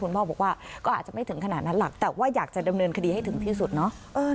พ่อบอกว่าก็อาจจะไม่ถึงขนาดนั้นหรอกแต่ว่าอยากจะดำเนินคดีให้ถึงที่สุดเนาะ